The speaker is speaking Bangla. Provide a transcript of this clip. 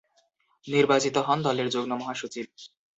নির্বাচিত হন দলের যুগ্ম মহাসচিব।